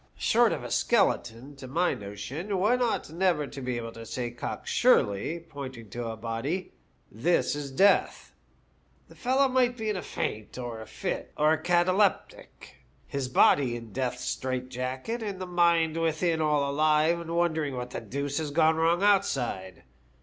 Short of a skeleton, to my notion, one ought never to be able to say cocksurely, pointing to a body, * this is Death.' The fellow might be in a faint, or in a fit, or a cataleptic; his body in death's strait jacket, and the mind within all alive and wondering what the deuce has gone wrong outside.